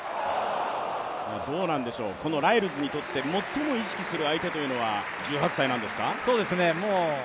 どうなんでしょう、このライルズにとって最も意識する相手というのは１８歳なんですか。